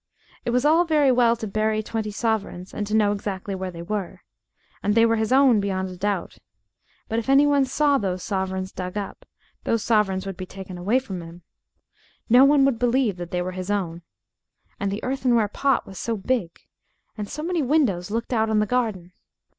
It was all very well to bury twenty sovereigns and to know exactly where they were. And they were his own beyond a doubt. But if any one saw those sovereigns dug up, those sovereigns would be taken away from him. No one would believe that they were his own. And the earthenware pot was so big. And so many windows looked out on the garden.